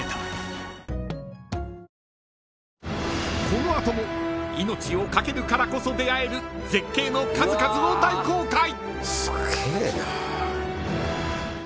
おおっ［この後も命を懸けるからこそ出会える絶景の数々を大公開！］